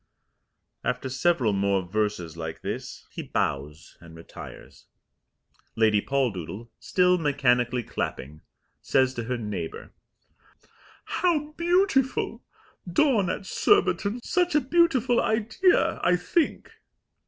After several more verses like this he bows and retires. Lady Poldoodle, still mechanically clapping, says to her neighbour: "How beautiful! Dawn at Surbiton! Such a beautiful idea, I think."